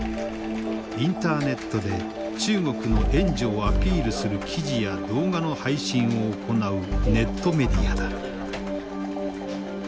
インターネットで中国の援助をアピールする記事や動画の配信を行うネットメディアだ。